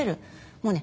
もうね